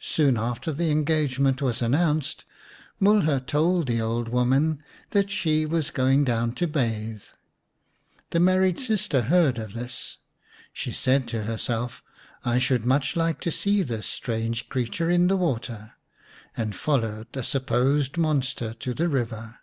Soon after the engagement was announced Mulha told the old woman that she was going down to bathe. The married sister heard of this. She said to herself, " I should much like to see this strange creature in the water," and followed the supposed monster to the river.